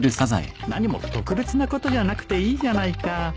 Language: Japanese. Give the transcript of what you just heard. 何も特別なことじゃなくていいじゃないか